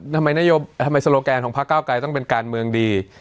ทำไมโซโลแกนของพระเก้าไกรต้องเป็นการเมืองดี